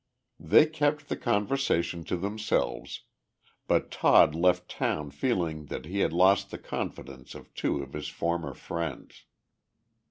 They kept the conversation to themselves, but Todd left town feeling that he had lost the confidence of two of his former friends.